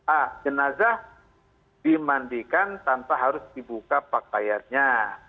a jenazah dimandikan tanpa harus dibuka pakaiannya